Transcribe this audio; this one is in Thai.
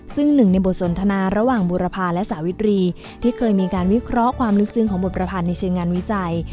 ซึ่งหนึ่งในบทสนทนาระหว่างบุรพาและสาวิตรีที่เคยมีการวิเคราะห์ความลึกซึ้งของบทประพันธ์ในเชิงงานวิจัย